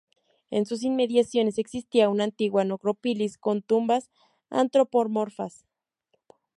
En sus inmediaciones existía una antigua necrópolis con tumbas antropomorfas.